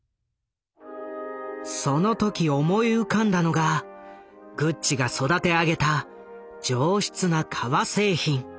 その時思い浮かんだのがグッチが育て上げた上質な革製品。